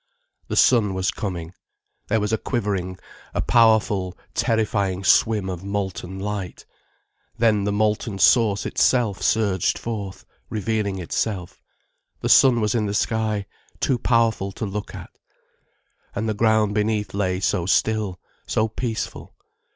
The sun was coming. There was a quivering, a powerful terrifying swim of molten light. Then the molten source itself surged forth, revealing itself. The sun was in the sky, too powerful to look at. And the ground beneath lay so still, so peaceful.